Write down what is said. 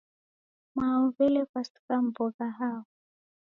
Mao w'ele kwasigha mbogha hao.